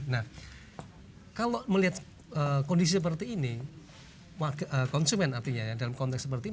nah kalau melihat kondisi seperti ini konsumen artinya ya dalam konteks seperti ini